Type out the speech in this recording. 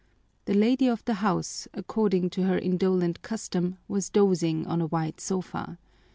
The lady of the house, according to her indolent custom, was dozing on a wide sofa.